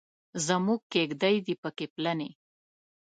زموږ کیږدۍ دې پکې پلنې.